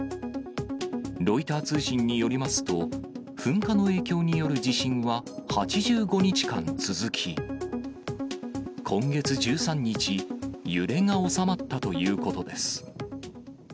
ロイター通信によりますと、噴火の影響による地震は、８５日間続き、今月１３日、揺れが収まったということです。